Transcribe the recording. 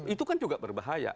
itu kan juga berbahaya